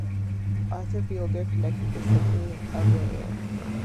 Arthur Fiedler conducted the Symphony of the Air.